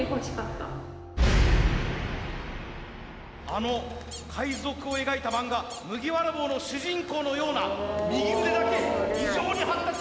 あの海賊を描いた漫画麦わら帽の主人公のような右腕だけ異常に発達！